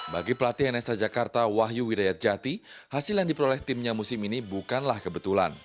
bagi pelatih nsa jakarta wahyu widayat jati hasil yang diperoleh timnya musim ini bukanlah kebetulan